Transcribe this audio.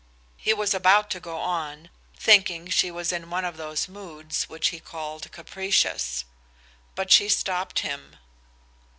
He was about to go on, thinking she was in one of those moods which he called capricious. But she stopped him.